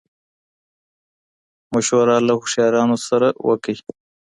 مشوره له هوښيارانو سره وکړئ.